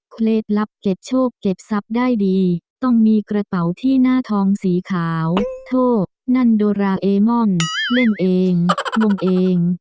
เคล็ดลับเก็บโชคเก็บทรัพย์ได้ดีต้องมีกระเป๋าที่หน้าทองสีขาวโทษนั่นโดราเอมอนเล่นเองลงเอง